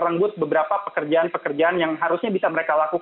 rp sepuluh juta penerima